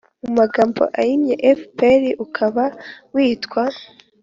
magambo ahinnye A F P ukaba witwa